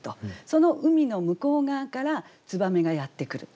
その海の向こう側から燕がやって来る。